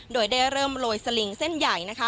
โดยได้เริ่มโรยสลิงเส้นใหญ่นะคะ